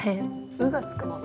「う」がつくもの。